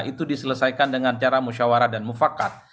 itu diselesaikan dengan cara musyawarah dan mufakat